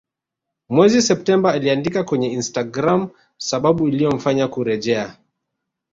Mwezi Septemba aliandika kwenye Instagram sababu iliyomfanya kurejea